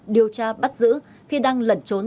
điều tra bắt giữ khi đang lẩn trốn